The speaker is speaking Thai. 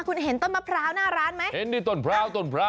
คุณเห็นต้นมะพร้าวหน้าร้านไหม